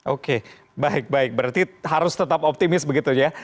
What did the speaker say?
oke baik baik berarti harus tetap optimis begitu ya